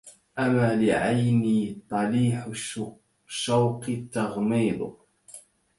أما لعيني طليح الشوق تغميض